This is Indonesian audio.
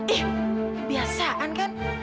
ih kebiasaan kan